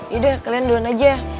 yaudah kalian duluan aja